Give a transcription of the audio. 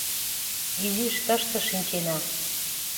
Изиш тыште шинчена.